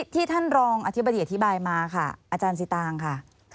ที่ท่านรองอธิบดีอธิบายมาค่ะอาจารย์สิตางค่ะ